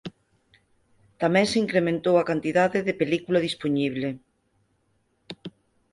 Tamén se incrementou a cantidade de película dispoñible.